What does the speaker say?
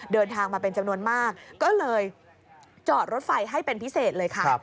เดินทางมาเป็นจำนวนมากก็เลยจอดรถไฟให้เป็นพิเศษเลยค่ะ